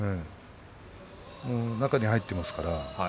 中に入ってますからね。